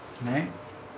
ねっ。